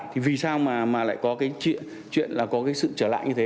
thì vì sao mà lại có cái chuyện là có cái sự trở lại như thế